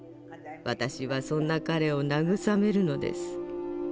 私はそんな彼を慰めるのです。